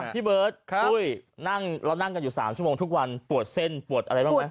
พี่เบิร์ตปุ้ยนั่งเรานั่งกันอยู่๓ชั่วโมงทุกวันปวดเส้นปวดอะไรบ้างไหม